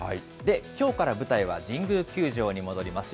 きょうから舞台は神宮球場に戻ります。